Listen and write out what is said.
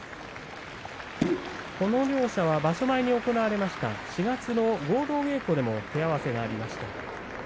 この両者は場所前に行われました４月の合同稽古でも手合わせがありました。